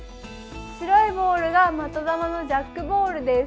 白いボールが的球のジャックボールです。